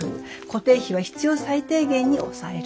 固定費は必要最低限に抑える。